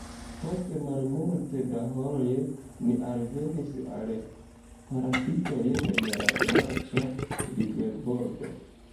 Post malmulte da horoj ni alvenis al palafitoj en la marĉa riverbordo.